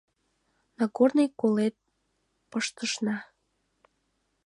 Нагорный колет пыштышна.